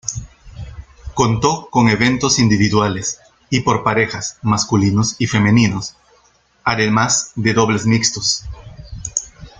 Contó con eventos individuales y por parejas masculinos y femeninos, además de dobles mixtos.